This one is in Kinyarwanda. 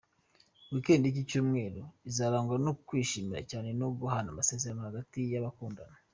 Weekend y’iki cyumweru, izarangwa no kwishima cyane no guhana amasezerano hagati y’abakundana.